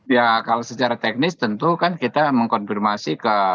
ya kalau secara teknis tentu kan kita mengkonfirmasi ke